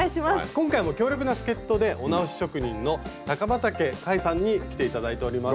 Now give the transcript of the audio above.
今回も強力な助っ人でお直し職人の高畠海さんに来て頂いております。